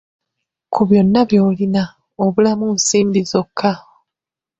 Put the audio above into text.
Ku byonna by'olina, obulamu nsimbi zokka!